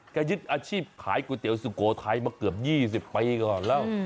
ยึดอาชีพขายก๋วยเตี๋ยวสุโขทัยมาเกือบ๒๐ปีก่อนแล้ว